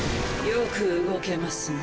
よく動けますね。